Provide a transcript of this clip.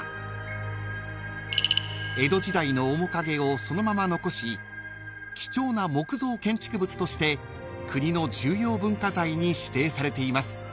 ［江戸時代の面影をそのまま残し貴重な木造建築物として国の重要文化財に指定されています］